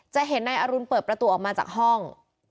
จะเห็นนายอรุณเปิดประตูออกมาจากห้อง